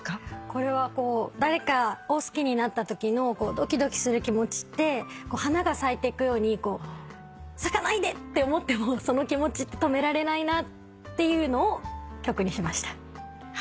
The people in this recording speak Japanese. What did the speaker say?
これは誰かを好きになったときのドキドキする気持ちって花が咲いていくように咲かないでって思ってもその気持ちって止められないなっていうのを曲にしました。